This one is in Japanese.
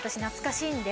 懐かしい。